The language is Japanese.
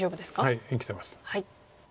はい生きてます。